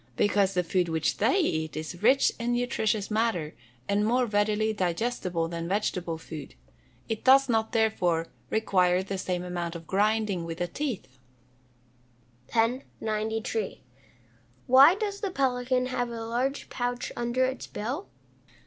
_ Because the food which they eat is rich in nutritious matter, and more readily digestible than vegetable food; it does not therefore, require the same amount of grinding with the teeth. [Illustration: Fig. 73. PELICAN WITH DILATED POUCH.] 1093. _Why has the pelican a large pouch under its bill?